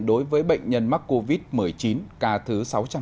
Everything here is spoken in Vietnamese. đối với bệnh nhân mắc covid một mươi chín ca thứ sáu trăm linh